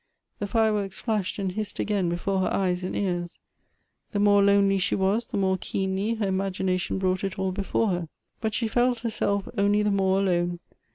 The fireworks flashed and hissed again before her eyes and ears ; the more lonely she was, the more keenly her imagination brought it all before her. But she felt herself only the more alone.